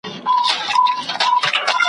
دا ویده اولس به ویښ سي د ازل بلا وهلی ,